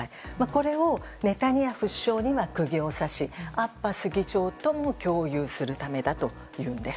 これをネタニヤフ首相に釘を刺し、アッバス議長にも共有するためだというんです。